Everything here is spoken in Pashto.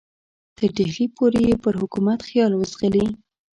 تر ډهلي پورې یې پر حکومت خیال وځغلي.